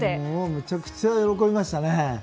めちゃくちゃ喜びましたね。